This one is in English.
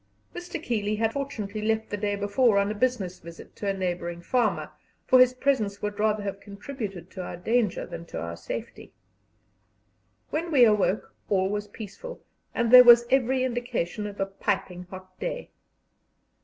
Mr. Keeley had fortunately left the day before on a business visit to a neighbouring farmer, for his presence would rather have contributed to our danger than to our safety. When we awoke all was peaceful, and there was every indication of a piping hot day.